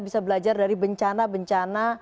bisa belajar dari bencana bencana